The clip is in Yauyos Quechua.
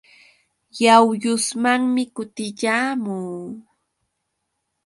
Yawyusmanmi kutiyaamuu.